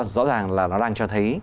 rõ ràng là nó đang cho thấy